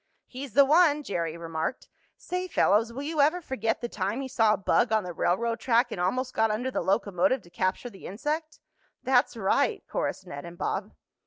"He's the one!" Jerry remarked. "Say, fellows, will you ever forget the time he saw a bug on the railroad track, and almost got under the locomotive to capture the insect." "That's right," chorused Ned and Bob.